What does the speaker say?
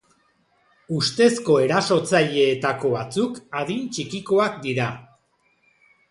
Ustezko erasotzaileetako batzuk adin txikikoak dira.